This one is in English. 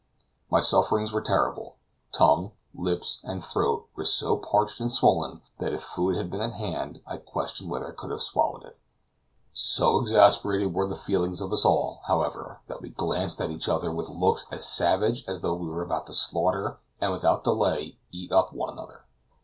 My sufferings were terrible; tongue, lips, and throat were so parched and swollen that if food had been at hand I question whether I could have swallowed it. So exasperated were the feelings of us all, however, that we glanced at each other with looks as savage as though we were about to slaughter and without delay eat up one another.